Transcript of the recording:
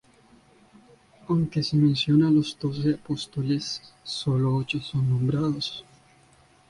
Aunque se mencionan a los doce apóstoles, sólo ocho son nombrados.